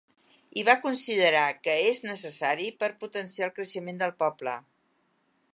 I va considerar que és necessari per potenciar el creixement del poble.